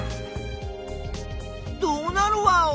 どうなるワオ？